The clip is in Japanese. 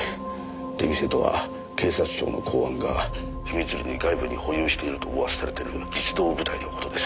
出店とは警察庁の公安が秘密裏に外部に保有していると噂されてる実動部隊の事です。